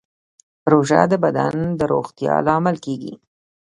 روژه د بدن د روغتیا لامل کېږي.